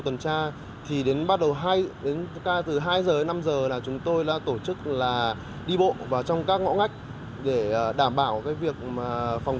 tuần tra thì từ hai h đến năm h là chúng tôi đã tổ chức đi bộ vào trong các ngõ ngách để đảm bảo việc phòng